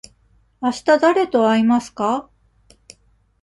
あしただれと会いますか。